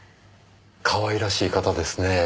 かわいらしい方ですねえ。